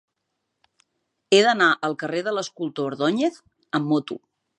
He d'anar al carrer de l'Escultor Ordóñez amb moto.